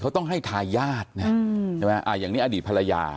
เขาต้องให้ทายาทนะใช่ไหมอย่างนี้อดีตภรรยา